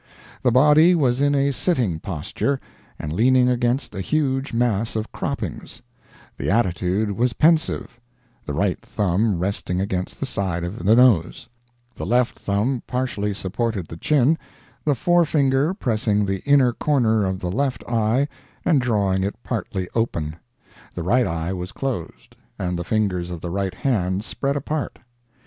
The body was in a sitting posture, and leaning against a huge mass of croppings; the attitude was pensive, the right thumb resting against the side of the nose; the left thumb partially supported the chin, the fore finger pressing the inner corner of the left eye and drawing it partly open; the right eye was closed, and the fingers of the right hand spread apart.